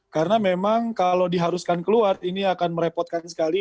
karena memang kalau diharuskan keluar ini akan merepotkan sekali